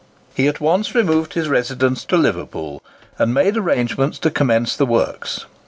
He at once removed his residence to Liverpool, and made arrangements to commence the works.